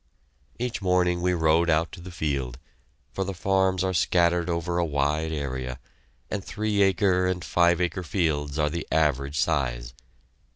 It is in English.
Each morning we rode out to the field, for the farms are scattered over a wide area, and three acre and five acre fields are the average size.